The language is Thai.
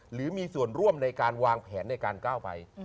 หรือมีส่วนร่วมในการวางแผนในการก้าวไป